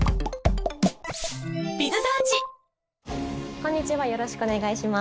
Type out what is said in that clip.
こんにちはよろしくお願いします。